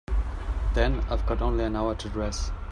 Then I've only got an hour to dress.